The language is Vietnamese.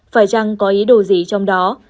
phải rằng có ý đồ gì trong đó